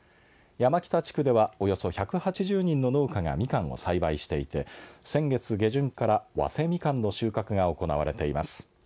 山北地区ではおよそ１８０人の農家がみかんを栽培していて先月下旬から早生みかんの収穫が行われています。